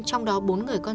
trong đó bốn người con